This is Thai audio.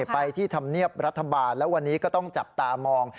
ไปที่ธรรมเนียบรัฐบาลแล้ววันนี้ก็ต้องจับตามอง